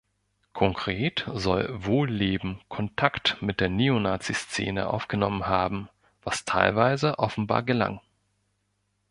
Konkret soll Wohlleben Kontakt mit der Neonazi-Szene aufgenommen haben, was teilweise offenbar gelang.